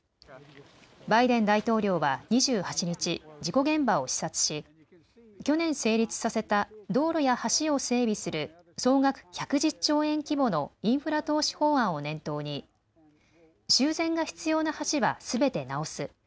バイデン大統領は２８日、事故現場を視察し、去年、成立させた道路や橋を整備する総額１１０兆円規模のインフラ投資法案を念頭に修繕が必要な橋はすべて直す。